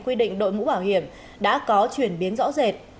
quy định đội mũ bảo hiểm đã có chuyển biến rõ rệt